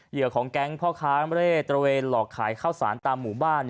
ของแก๊งพ่อค้าเร่ตระเวนหลอกขายข้าวสารตามหมู่บ้าน